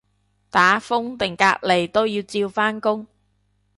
打風定隔離都要照返工